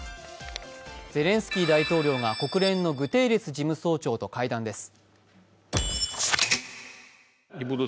ゼレンスキー大統領が国連のグテーレス事務総長と会談です。